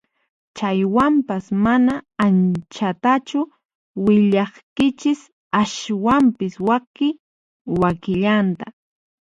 Chaywanpas mana anchatachu willaykichis ashwampis waki wakillanta